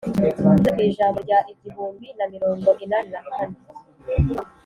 ngeze ku ijambo rya igihumbi na mirongo inani na kane